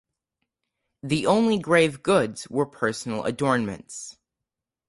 The only grave goods were personal adornments.